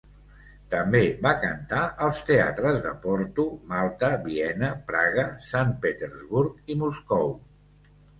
També va cantar als teatres de Porto, Malta, Viena, Praga, Sant Petersburg i Moscou.